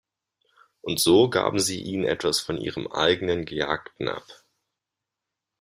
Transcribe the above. Und so gaben sie ihnen etwas von ihrem eigenen Gejagten ab.